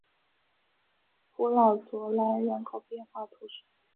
普朗佐莱人口变化图示